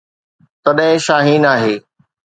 تڏهن شاهين آهي.